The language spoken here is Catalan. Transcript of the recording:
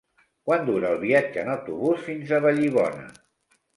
Quant dura el viatge en autobús fins a Vallibona?